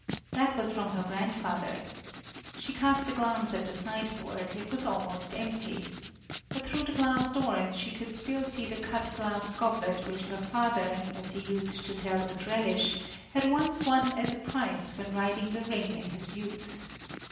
That was from her grandfather! She cast a glance at the sideboard; it was almost empty. But through the glass doors she could still see the cut glass goblet which her father, as he used to tell with relish, had once won as a prize when riding the ring in his youth.